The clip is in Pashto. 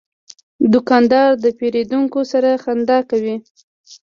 دوکاندار د پیرودونکو سره خندا کوي.